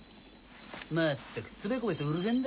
まったくつべこべとうるせぇんだから。